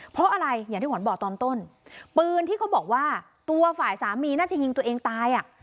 เพราะอะไรอย่างที่ขวัญบอกตอนต้นปืนที่เขาบอกว่าตัวฝ่ายสามีน่าจะยิงตัวเองตายอ่ะ